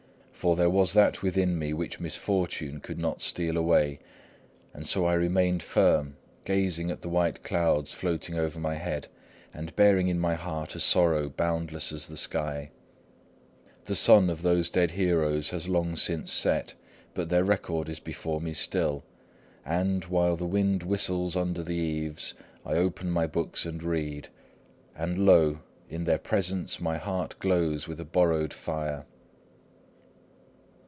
For there was that within me which misfortune could not steal away. And so I remained firm, gazing at the white clouds floating over my head, and bearing in my heart a sorrow boundless as the sky. "The sun of those dead heroes has long since set, but their record is before me still. And, while the wind whistles under the eaves, I open my books and read; and lo! in their presence my heart glows with a borrowed fire."